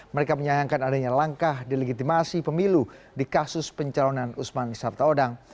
mereka menyayangkan adanya langkah delegitimasi pemilu di kasus pencalonan usman sabtaodang